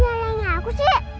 kenapa gak aku sih